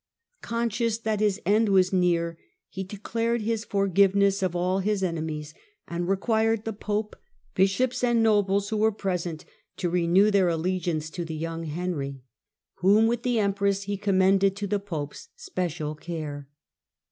Conscious that his end was near, he declared his forgiveness of all his enemies, and required the pope, bishops, and nobles who were present to renew their allegiance to the young . Digitized by VjOOQIC Victor TL and Stephen IX. 41 Henry, whom, with the empress, he commended to the pope's special care.